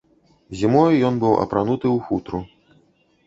Зімою ён быў апрануты ў футру.